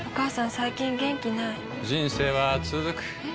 最近元気ない人生はつづくえ？